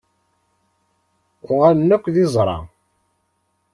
Uɣalen akk d iẓra.